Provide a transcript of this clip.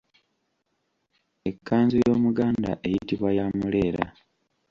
Ekkanzu y'Omuganda eyitibwa “ya muleera.῎